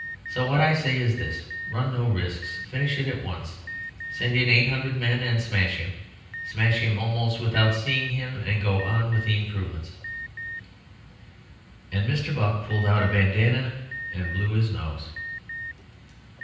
So what I say is this. Run no risks. Finish it at once. Send in eight hundred men and smash him smash him almost without seeing him. And go on with the improvements." And Mr. Buck pulled out a bandanna and blew his nose.